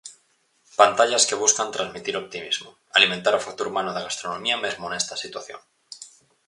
Pantallas que buscan transmitir optimismo, alimentar o factor humano da gastronomía mesmo nesta situación.